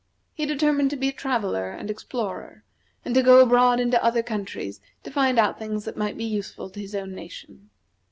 He determined to be a traveller and explorer, and to go abroad into other countries to find out things that might be useful to his own nation.